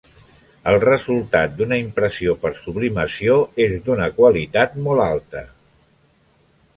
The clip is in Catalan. El resultat d'una impressió per sublimació és d'una qualitat molt alta.